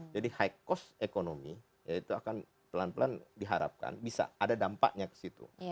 jadi high cost economy ya itu akan pelan pelan diharapkan bisa ada dampaknya ke situ